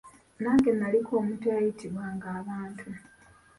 Nange naliko omuntu eyatiibwanga abantu.